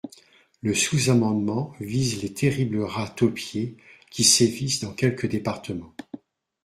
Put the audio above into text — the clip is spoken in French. Le sous-amendement vise les terribles rats taupiers, qui sévissent dans quelques départements.